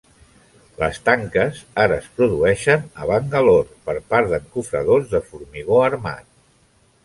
Les tanques ara es produeixen a Bangalore per part d'encofradors de formigó armat.